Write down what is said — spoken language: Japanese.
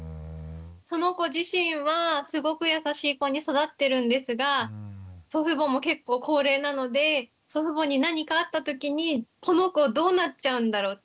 その子自身はすごく優しい子に育ってるんですが祖父母も結構高齢なので祖父母に何かあった時にこの子どうなっちゃうんだろうって。